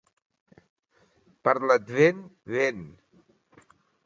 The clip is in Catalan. Per l'Advent, vent.